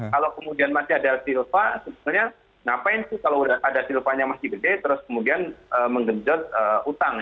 kalau kemudian masih ada silva sebenarnya ngapain sih kalau ada silvanya masih gede terus kemudian menggenjot utang